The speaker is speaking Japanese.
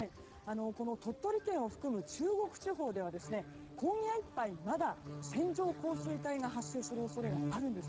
この鳥取県を含む中国地方では今夜いっぱいまだ線状降水帯が発生する恐れがあります。